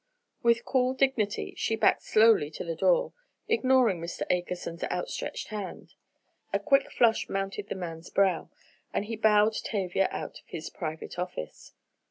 With cool dignity she backed slowly to the door, ignoring Mr. Akerson's outstretched hand. A quick flush mounted the man's brow, and he bowed Tavia out of his private office.